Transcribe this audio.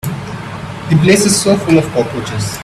The place is so full of cockroaches.